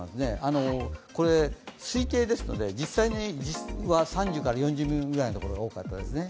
推定ですので、実際には３０から４０ミリぐらいのところが多かったですね